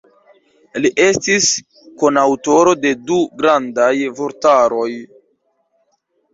Li estis kunaŭtoro de du grandaj vortaroj.